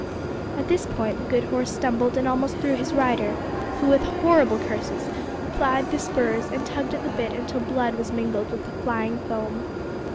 At this point the good horse stumbled and almost threw his rider, who, with horrible curses, plied the spurs and tugged at the bit until blood was mingled with the flying foam.